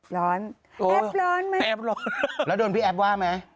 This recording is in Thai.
ร้อนแอมป์ร้อนไหมแล้วโดนพี่แอมป์ว่าไหม